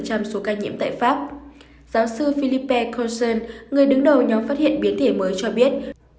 ca nhiễm tại pháp giáo sư philippe cosson người đứng đầu nhóm phát hiện biến thể mới cho biết